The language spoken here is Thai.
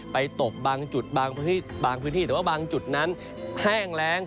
ตกบางจุดบางพื้นที่แต่ว่าบางจุดนั้นแห้งแรง